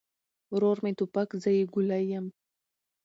ورور مې توپک، زه يې ګولۍ يم